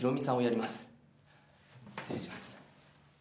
失礼します。